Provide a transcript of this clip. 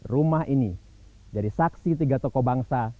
rumah ini dari saksi tiga tokoh bangsa